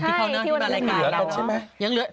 ใช่ที่มารายการแล้ว